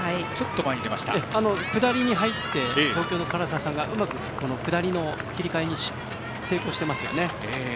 下りに入って東京の唐沢さんが、うまく下りの切り替えに成功していますね。